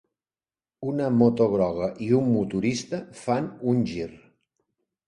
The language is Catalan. Una moto groga i un motorista fan un gir